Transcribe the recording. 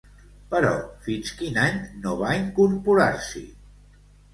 Però fins quin any no va incorporar-s'hi?